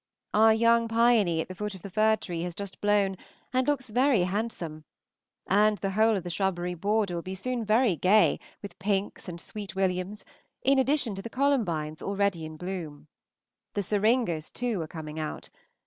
Our young piony at the foot of the fir tree has just blown and looks very handsome, and the whole of the shrubbery border will soon be very gay with pinks and sweet williams, in addition to the columbines already in bloom. The syringas, too, are coming out.